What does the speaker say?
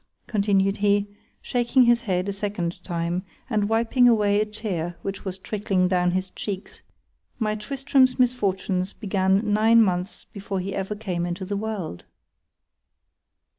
_ continued he, shaking his head a second time, and wiping away a tear which was trickling down his cheeks, _My Tristram's misfortunes began nine months before ever he came into the world.